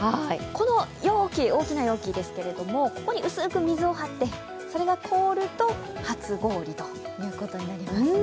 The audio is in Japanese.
この大きな容器に薄く水を張ってそれが凍ると初氷ということになりますね。